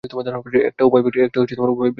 একটা উপায় বের করতাম।